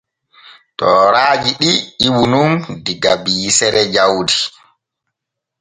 Tooraaji ɗi ƴiwu nun diga biisere jawdi.